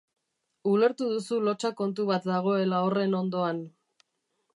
Ulertu duzu lotsa kontu bat dagoela horren hondoan.